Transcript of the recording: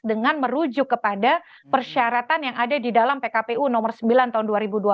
dengan merujuk kepada persyaratan yang ada di dalam pkpu nomor sembilan tahun dua ribu dua puluh